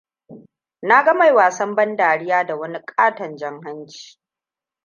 Na ga mai wasan bandariya da wani ƙaton jan hanci.